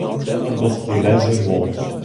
Dat docht de lêzer wol.